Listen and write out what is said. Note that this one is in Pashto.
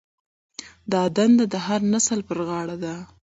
دا دنده د هر نسل پر غاړه ده.